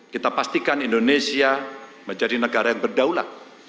kita pastikan indonesia menjadi negara yang berdaulat